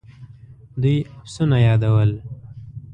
دوی پسونه يادول.